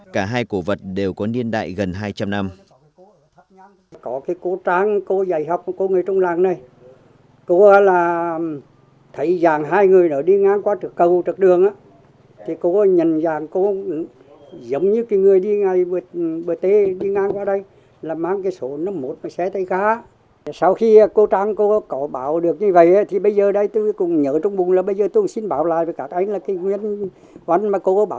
cả hai cổ vật đều có niên đại gần hai trăm linh năm